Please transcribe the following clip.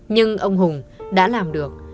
nhưng ông hùng đã làm được